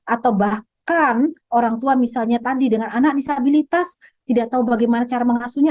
atau bahkan orang tua misalnya tadi dengan anak disabilitas tidak tahu bagaimana cara mengasuhnya